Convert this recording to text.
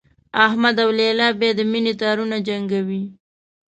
احمد او لیلا بیا د مینې تارونه جنګوي.